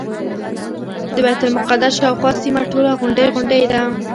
د بیت المقدس شاوخوا سیمه ټوله غونډۍ غونډۍ ده.